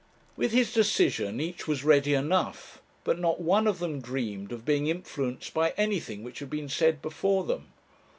With his decision each was ready enough; but not one of them dreamed of being influenced by anything which had been said before them.